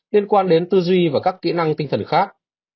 liên quan đến tư duy và các kỹ năng tinh thần khác